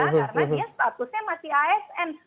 karena dia statusnya masih asn